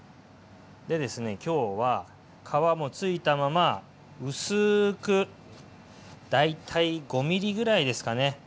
今日は皮もついたまま薄く大体５ｍｍぐらいですかね。